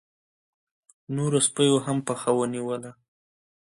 نورو سپيو هم پښه ونيوله.